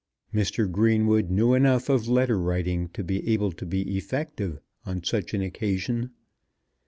Mr. Greenwood knew enough of letter writing to be able to be effective on such an occasion.